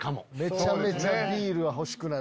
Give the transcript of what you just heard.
めちゃめちゃビール欲しくなる。